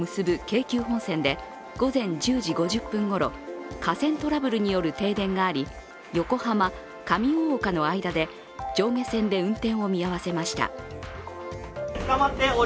京急本線で午前１０時５０分ごろ、架線トラブルによる停電があり横浜−上大岡の間で上下線で運転を見合わせました。